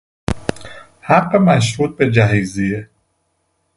حق مشروط به جهیزیه